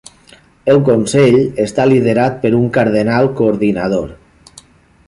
El consell està liderat per un cardenal coordinador.